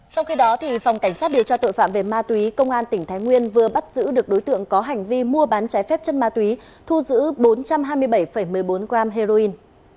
trong khi đó phòng cảnh sát điều tra tội phạm về ma túy công an tỉnh thái nguyên vừa bắt giữ được đối tượng có hành vi mua bán trái phép chất ma túy thu giữ bốn trăm hai mươi bảy một mươi bốn gram heroin